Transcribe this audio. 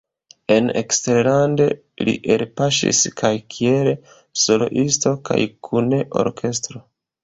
En eksterlande li elpaŝis kaj kiel soloisto kaj kun orkestro.